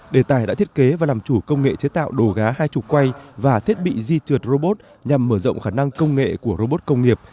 đề tài đã thiết kế và làm chủ công nghệ chế tạo đồ gá hai mươi quay và thiết bị di trượt robot nhằm mở rộng khả năng công nghệ của robot công nghiệp